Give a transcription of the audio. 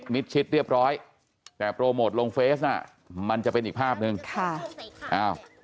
ชิดเรียบร้อยแต่โปรโมทลงเฟซน่ะมันจะเป็นอีกภาพหนึ่งค่ะอ้าว